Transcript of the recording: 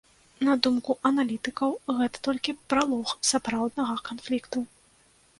На думку аналітыкаў, гэта толькі пралог сапраўднага канфлікту.